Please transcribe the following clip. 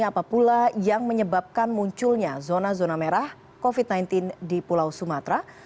apa pula yang menyebabkan munculnya zona zona merah covid sembilan belas di pulau sumatera